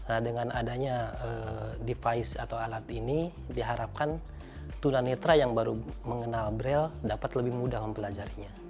nah dengan adanya device atau alat ini diharapkan tunanetra yang baru mengenal braille dapat lebih mudah mempelajarinya